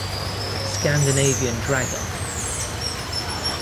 "Scandinavian drag artists"